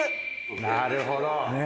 なるほど。